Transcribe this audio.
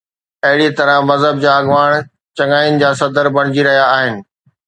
اهڙيءَ طرح مذهب جا اڳواڻ چڱاين جا صدر بڻجي رهيا آهن.